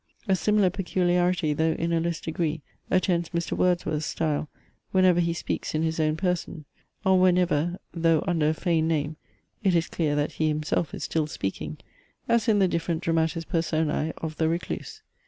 A similar peculiarity, though in a less degree, attends Mr. Wordsworth's style, whenever he speaks in his own person; or whenever, though under a feigned name, it is clear that he himself is still speaking, as in the different dramatis personae of THE RECLUSE.